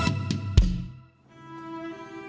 ya sudah pak